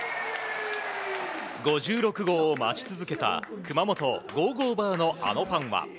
５６号を待ち続けた、熊本ゴーゴーバーのあのファンは。